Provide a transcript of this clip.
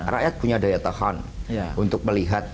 rakyat punya daya tahan untuk melihat